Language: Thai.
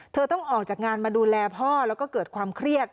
ต้องออกจากงานมาดูแลพ่อแล้วก็เกิดความเครียด